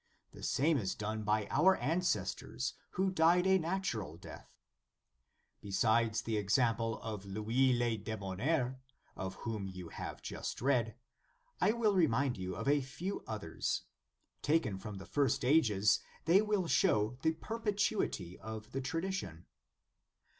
The same was done by our ancestors who died a natural death. Besides the ex ample of Louis le Debonnaire, of whom you have just read, I will remind you of a few others. Taken from the first ages, they will show the perpetuity of the tradition.